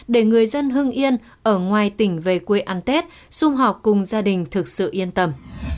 để người dân hưng yên ở ngoài tỉnh về quê ăn tết xung họp cùng gia đình thực sự yên tâm